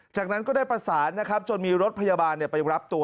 จากนั้นก็ได้ประสานนะครับจนมีรถพยาบาลไปรับตัว